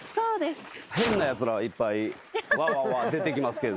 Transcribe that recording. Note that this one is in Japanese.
変なやつらはいっぱいワーワー出てきますけど。